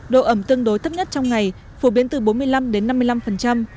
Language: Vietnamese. độ ẩm tương đối thấp nhất trong ngày phổ biến từ bốn mươi năm đến năm mươi năm